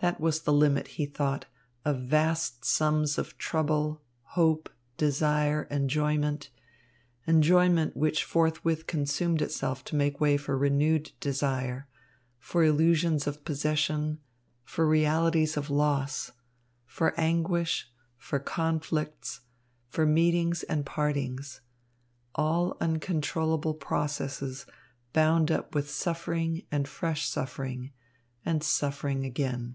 That was the limit, he thought, of vast sums of trouble, hope, desire, enjoyment enjoyment which forthwith consumed itself to make way for renewed desire, for illusions of possession, for realities of loss, for anguish, for conflicts, for meetings and partings; all uncontrollable processes bound up with suffering and fresh suffering and suffering again.